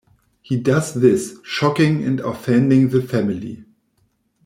He does this, shocking and offending the family.